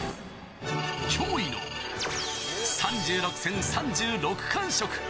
驚異の３６戦３６完食。